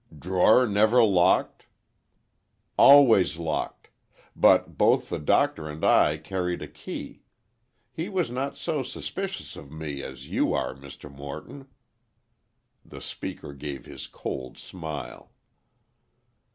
"Drawer never locked?" "Always locked. But both the Doctor and I carried a key. He was not so suspicious of me as you are, Mr. Morton." The speaker gave his cold smile.